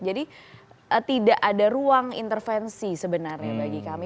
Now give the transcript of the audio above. jadi tidak ada ruang intervensi sebenarnya bagi kami